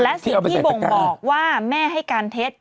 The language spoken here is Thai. และสิ่งที่บ่งบอกว่าแม่ให้การเท็จ